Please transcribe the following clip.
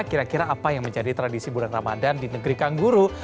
kira kira apa yang menjadi tradisi bulan ramadan di negeri kangguru